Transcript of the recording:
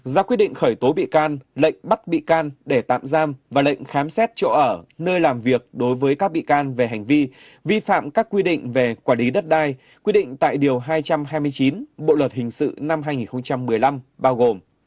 ra quyết định khởi tố bị can lệnh bắt bị can để tạm giam và lệnh khám xét chỗ ở nơi làm việc đối với các bị can về hành vi vi phạm các quy định về quản lý đất đai quy định tại điều hai trăm hai mươi chín bộ luật hình sự năm hai nghìn một mươi năm bao gồm